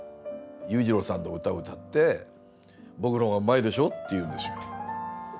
裕次郎さんの歌を歌って「僕のほうがうまいでしょ」って言うんですよ。